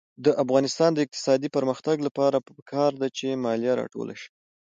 د افغانستان د اقتصادي پرمختګ لپاره پکار ده چې مالیه راټوله شي.